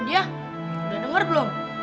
udah denger belum